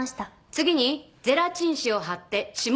次にゼラチン紙をはって指紋を転写します。